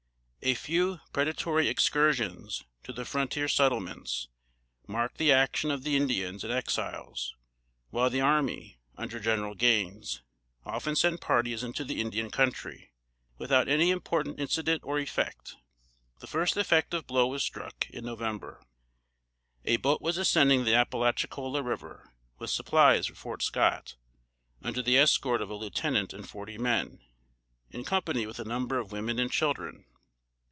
A few predatory excursions to the frontier settlements, marked the action of the Indians and Exiles, while the army, under General Gaines, often sent parties into the Indian country, without any important incident or effect. The first effective blow was struck in November. A boat was ascending the Appalachicola river, with supplies for Fort Scott, under the escort of a Lieutenant and forty men, in company with a number of women and children.